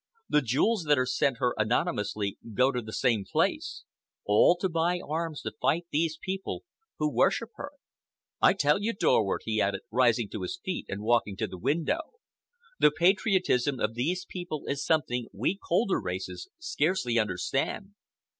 The jewels that are sent her anonymously go to the same place, all to buy arms to fight these people who worship her. I tell you, Dorward," he added, rising to his feet and walking to the window, "the patriotism of these people is something we colder races scarcely understand.